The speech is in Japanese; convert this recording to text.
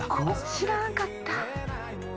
「知らんかった！」